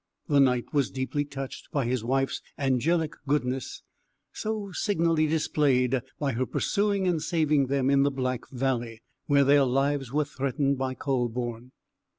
The Knight was deeply touched by his wife's angelic goodness, so signally displayed by her pursuing and saving them in the Black Valley, where their lives were threatened by Kühleborn.